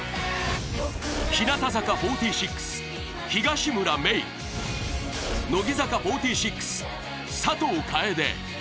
日向坂４６、東村芽依、乃木坂４６、佐藤楓。